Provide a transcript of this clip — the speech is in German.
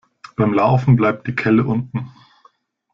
Beim Laufen bleibt die Kelle unten.